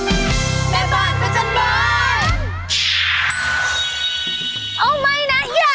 แม่บ้านประจำบาน